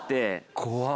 怖っ。